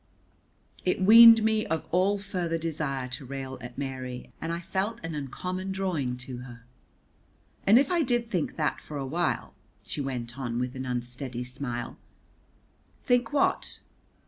It weaned me of all further desire to rail at Mary, and I felt an uncommon drawing to her. "And if I did think that for a little while ," she went on, with an unsteady smile. "Think what?"